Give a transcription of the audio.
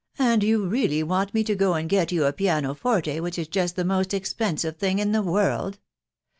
. And yon really wrest me tots \ and get you a piano forte, which iB just the moat expensiie thing in the world